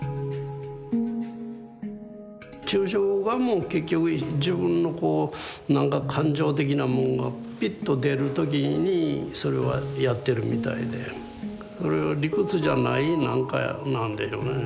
抽象画も結局自分のこうなんか感情的なもんがピッと出る時にそれはやってるみたいでそれは理屈じゃないなんかなんでしょうね。